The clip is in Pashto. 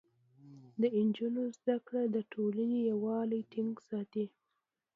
د نجونو زده کړه د ټولنې يووالی ټينګ ساتي.